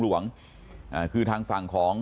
หลวงอ่าคือทางฝั่งของ